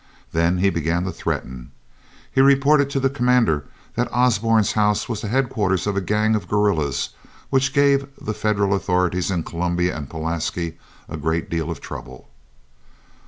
Then he began to threaten. He reported to the commander that Osborne's house was the headquarters of a gang of guerrillas which gave the Federal authorities in Columbia and Pulaski a great deal of trouble.